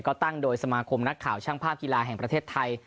ก็ตั้งโดยสมาคมนักข่าวช่างภาพกีฬาแห่งประเทศไทย